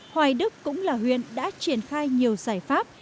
hoài đức cũng là huyện đã triển khai nhiều giải pháp